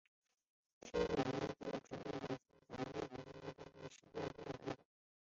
天野之弥准备派遣总署的核能专家在第一时间飞往日本。